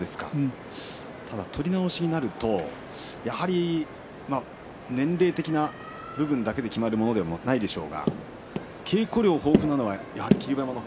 ただ取り直しになるとやはり年齢的な部分だけで決まるものでもないでしょうが稽古量も豊富なのはやはり霧馬山の方。